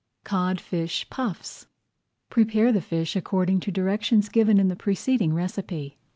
CODFISH PUFFS Prepare the fish according to directions given in the preceding recipe.